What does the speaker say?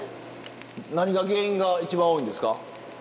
何が原因が一番多いんですか？